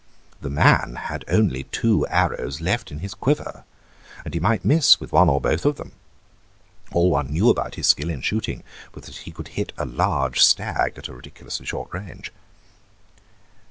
The man had only two arrows left in his quiver, and he might miss with one or both of them; all one knew about his skill in shooting was that he could hit a large stag at a ridiculously short range.